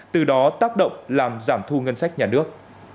từ đó tác động làm giảm thu ngân sách nhà nước